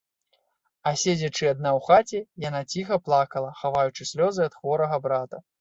А седзячы адна ў хаце, яна ціха плакала, хаваючы слёзы ад хворага брата.